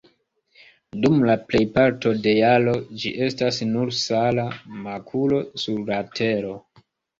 Dum plejparto de jaro ĝi estas nur sala makulo sur la tero.